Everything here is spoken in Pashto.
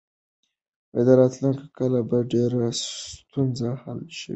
تر راتلونکي کاله به ډېرې ستونزې حل شوې وي.